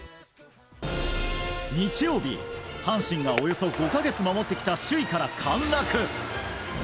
日曜日、阪神がおよそ５か月守ってきた首位から陥落。